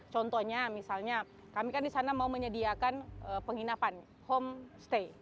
contohnya misalnya kami kan di sana mau menyediakan penginapan homestay